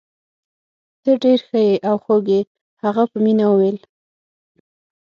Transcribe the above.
ته ډیر ښه او خوږ يې. هغه په مینه وویل.